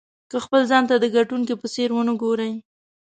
که خپل ځان ته د ګټونکي په څېر ونه ګورئ.